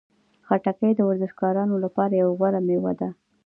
خټکی د ورزشکارانو لپاره یوه غوره میوه ده.